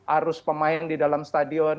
arus pemain di dalam stadion